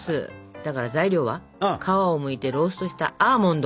だから材料は皮をむいてローストしたアーモンド。